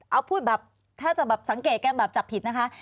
เอาพูดแบบถ้าจะแบบสังเกตกันแบบจับผิดนะคะ